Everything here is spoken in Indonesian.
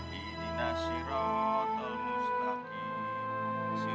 basic qureshi passo ikk sami dan wli